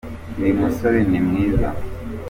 Uyumusore nimwiza.